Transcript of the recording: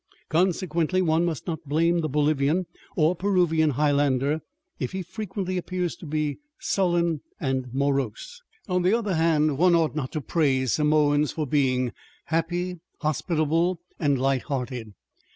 Consequently, one must not blame the Bolivian or Peruvian Highlander if he frequently appears to be sullen and morose. On the other hand, one ought not to praise Samoans for being happy, hospitable, and light hearted.